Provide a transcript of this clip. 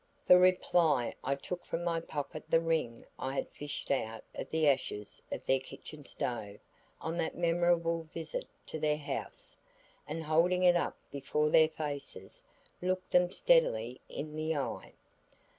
For reply I took from my pocket the ring I had fished out of the ashes of their kitchen stove on that memorable visit to their house, and holding it up before their faces, looked them steadily in the eye.